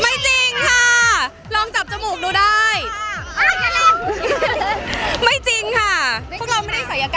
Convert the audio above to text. ไม่จริงค่ะลองจับจมูกดูได้ไม่จริงค่ะพวกเราไม่ได้สายยากรรมเนอะคุณพ่อคุณแม่ให้มา